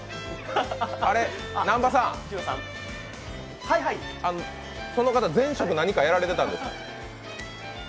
南波さん、その方前職何かやられてたんですか？